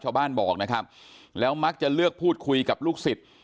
ชาวบ้านบอกนะครับแล้วมักจะเลือกพูดคุยกับลูกศิษย์